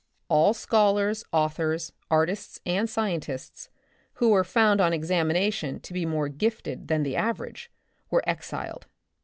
All scholars, authors, artists and scientists who were found on ex amination to be more gifted than the average, were exiled.